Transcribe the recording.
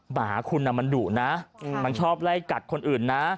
หมาคุณมันดุนะมันชอบไล่กัดคนอื่นนะ